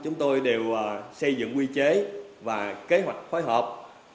chúng tôi đều xây dựng quy chế và kế hoạch phối hợp